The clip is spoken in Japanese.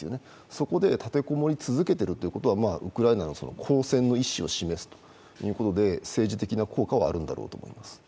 そこで立て籠もり続けているということはウクライナが抗戦の意思を示すという政治的な効果はあるんだろうと思います。